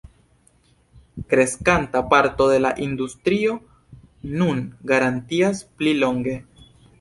Kreskanta parto de la industrio nun garantias pli longe.